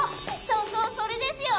そうそうそれですよ！